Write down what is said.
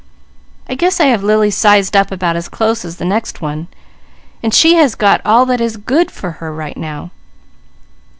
I guess I have Lily sized up about as close as the next one; and she has got all that is good for her, right now.